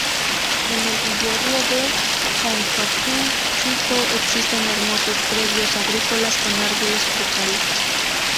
En el villorrio de Chanchoquín Chico existen hermosos predios agrícolas con árboles frutales.